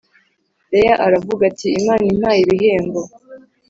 Leya aravuga ati Imana impaye ibihembo